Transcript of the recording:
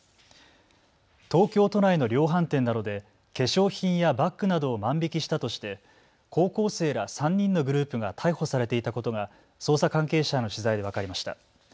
東京都内の量販店などで化粧品やバッグなどを万引きしたとして高校生ら３人のグループが逮捕されていたことが捜査関係者への取材で分かりました。